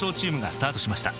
スタートしました